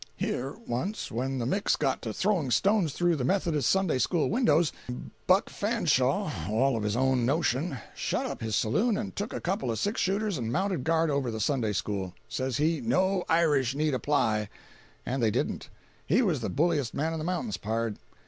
Here once when the Micks got to throwing stones through the Methodis' Sunday school windows, Buck Fanshaw, all of his own notion, shut up his saloon and took a couple of six shooters and mounted guard over the Sunday school. Says he, 'No Irish need apply!' And they didn't. He was the bulliest man in the mountains, pard!